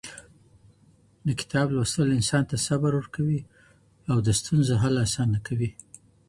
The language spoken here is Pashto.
د کتاب لوستل انسان ته صبر ورکوي او د ستونزو حل اسانه کوي.